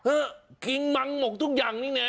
เออกินมังหมกทุกอย่างนี่แน่